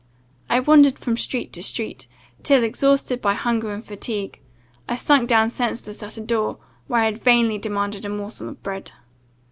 I wandered from street to street, till, exhausted by hunger and fatigue, I sunk down senseless at a door, where I had vainly demanded a morsel of bread.